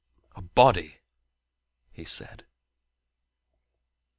"A body!" he said.